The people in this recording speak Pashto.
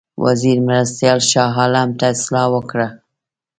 وزیر مرستیال شاه عالم ته اطلاع ورکړه.